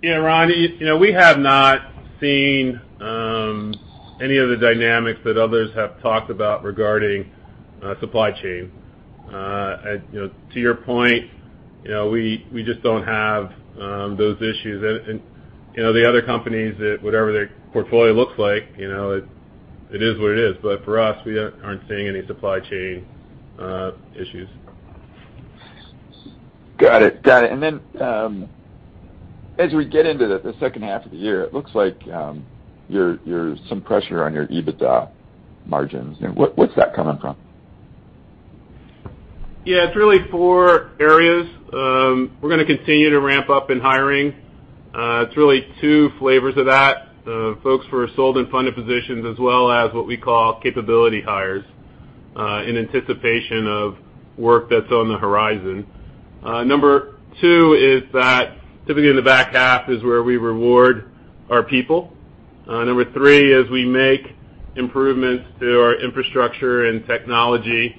Yeah, Ron, you know, we have not seen any of the dynamics that others have talked about regarding supply chain. You know, to your point, you know, we just don't have those issues. You know, the other companies that whatever their portfolio looks like, you know, it is what it is. For us, we aren't seeing any supply chain issues. Got it. As we get into the second half of the year, it looks like some pressure on your EBITDA margins. Now, what's that coming from? Yeah, it's really four areas. We're gonna continue to ramp up in hiring. It's really two flavors of that. The folks for sold and funded positions, as well as what we call capability hires, in anticipation of work that's on the horizon. Number two is that typically in the back half is where we reward our people. Number three is we make improvements to our infrastructure and technology,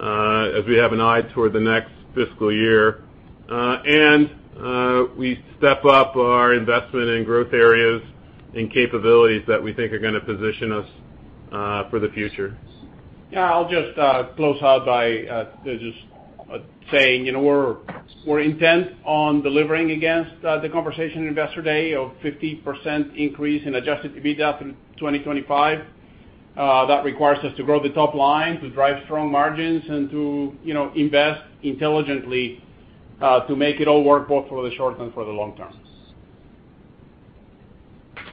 as we have an eye toward the next fiscal year. We step up our investment in growth areas and capabilities that we think are gonna position us, for the future. Yeah. I'll just close out by just saying, you know, we're intent on delivering against the conversation in Investor Day of 50% increase in adjusted EBITDA through 2025. That requires us to grow the top line, to drive strong margins, and to, you know, invest intelligently, to make it all work both for the short and for the long term.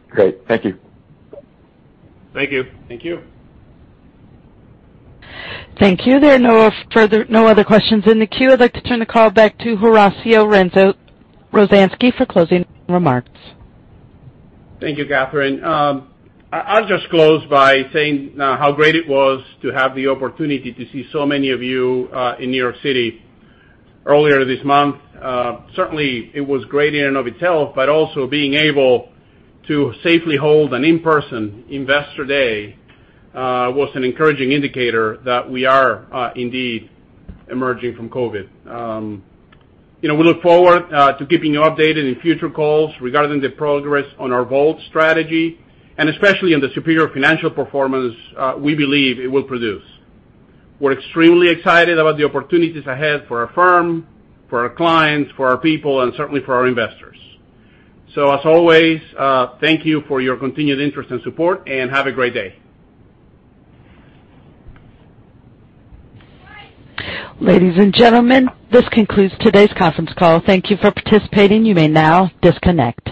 Great. Thank you. Thank you. Thank you. Thank you. There are no other questions in the queue. I'd like to turn the call back to Horacio Rozanski for closing remarks. Thank you, Catherine. I'll just close by saying how great it was to have the opportunity to see so many of you in New York City earlier this month. Certainly it was great in and of itself, but also being able to safely hold an in-person Investor Day was an encouraging indicator that we are indeed emerging from COVID. You know, we look forward to keeping you updated in future calls regarding the progress on our VoLT strategy, and especially in the superior financial performance we believe it will produce. We're extremely excited about the opportunities ahead for our firm, for our clients, for our people, and certainly for our investors. As always, thank you for your continued interest and support, and have a great day. Ladies and gentlemen, this concludes today's conference call. Thank you for participating. You may now disconnect.